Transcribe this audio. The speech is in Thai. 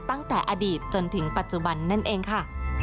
ตั้งแต่อดีตจนถึงปัจจุบันนั่นเองค่ะ